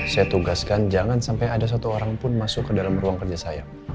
saya tugaskan jangan sampai ada satu orang pun masuk ke dalam ruang kerja saya